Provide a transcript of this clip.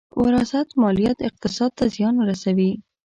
وراثت ماليات اقتصاد ته زیان رسوي.